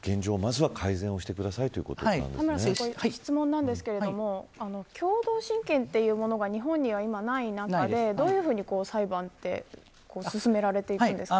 まずは、改善をしてください質問なんですけど共同親権というのが日本には今、ない中でどういうふうに裁判は進められていくんですか。